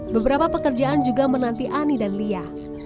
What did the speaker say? beberapa pekerjaan juga menanti ani dan lia